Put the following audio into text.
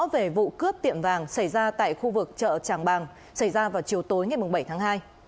về vụ cướp tiệm vàng xảy ra tại khu vực chợ tràng bàng xảy ra vào chiều tối ngày bảy tháng hai